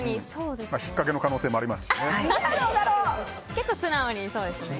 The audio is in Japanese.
ひっかけの可能性もありますしね。